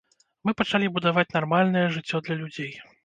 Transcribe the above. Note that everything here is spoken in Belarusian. Мы пачалі будаваць нармальнае жыццё для людзей.